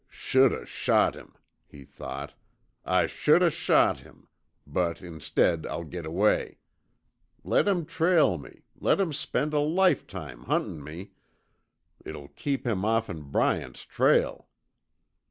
"Should o' shot him," he thought, "I should o' shot him, but instead I'll git away. Let him trail me, let him spend a lifetime huntin' me it'll keep him off'n Bryant's trail."